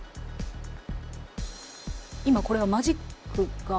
今これはマジックが？